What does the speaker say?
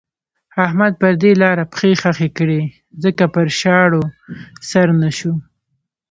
احمد پر دې لاره پښې خښې کړې ځکه پر شاړو سر نه شو.